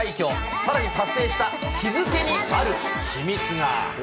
さらに達成した日付にある秘密が。